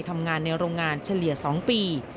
ทำงานในโรงงานเฉลี่ย๒ปี